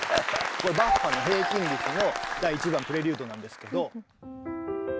これバッハの「平均律」の第１番プレリュードなんですけど。